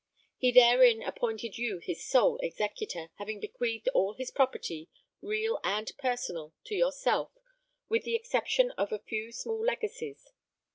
He therein appointed you his sole executor, having bequeathed all his property, real and personal, to yourself, with the exception of a few small legacies.